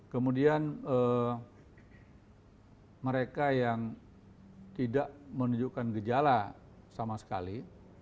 kemudian mereka yang tidak menunjukkan gejala sama sekali